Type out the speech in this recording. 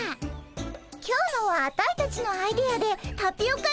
今日のはアタイたちのアイデアでタピオカ入りだよ。